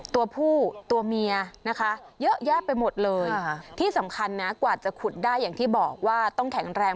ตัวผู้ตัวเมียนะคะเยอะแยะไปหมดเลยที่สำคัญนะกว่าจะขุดได้อย่างที่บอกว่าต้องแข็งแรง